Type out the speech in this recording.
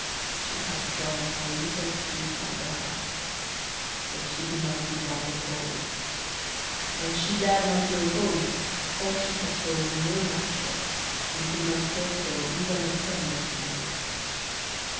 She had drawn her little feet under her, but she could not keep off the cold; and she dared not go home, for she had sold no matches, and could not take home even a penny of money.